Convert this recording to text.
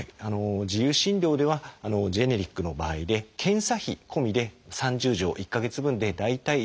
自由診療ではジェネリックの場合で検査費込みで３０錠１か月分で大体１万円程度で処方されてます。